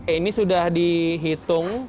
ini sudah dihitung